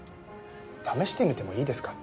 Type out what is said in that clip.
試してみてもいいですか？